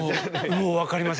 もう分かりません。